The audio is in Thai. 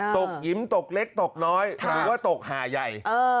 ตกหยิมตกเล็กตกน้อยกับตกหาใย